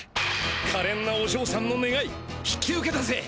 かれんなおじょうさんのねがい引き受けたぜ！